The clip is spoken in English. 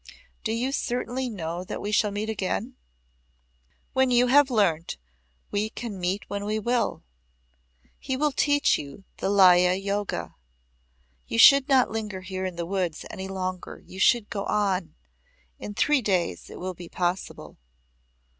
"Do you certainly know that we shall meet again?" "When you have learnt, we can meet when we will. He will teach you the Laya Yoga. You should not linger here in the woods any longer. You should go on. In three days it will be possible."